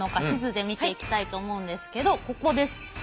地図で見ていきたいと思うんですけどここです。